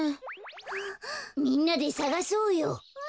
みんなでさがそうよ。